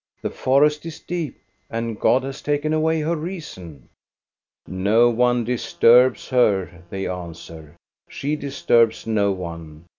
The forest is deep, and God has taken away her reason." "No one disturbs her," they answer; "she dis turbs no one.